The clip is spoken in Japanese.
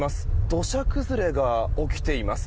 土砂崩れが起きています。